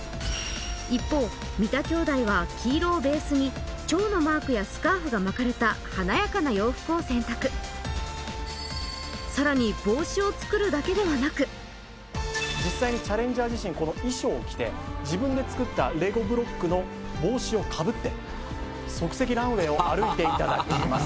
一方三田兄弟は黄色をベースに蝶のマークやスカーフが巻かれた華やかな洋服を選択さらに実際にチャレンジャー自身この衣装を着て自分で作ったレゴブロックの帽子をかぶって即席ランウェイを歩いていただきます